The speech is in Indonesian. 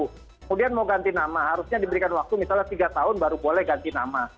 kemudian mau ganti nama harusnya diberikan waktu misalnya tiga tahun baru boleh ganti nama